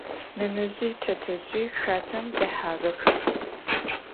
Нэнэжъи тэтэжъи хатэм дэхьагъэх.